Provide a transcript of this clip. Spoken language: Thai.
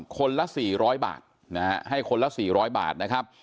คนละ๔๐๐บาทนะฮะให้คนละ๔๐๐บาทนะครับ